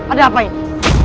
ada apa ini